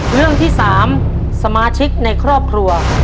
เรื่องที่๓สมาชิกในครอบครัว